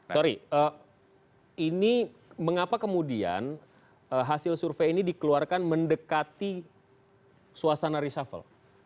sorry ini mengapa kemudian hasil survei ini dikeluarkan mendekati suasana reshuffle